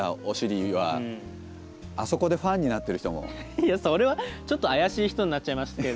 いやそれはちょっと怪しい人になっちゃいます。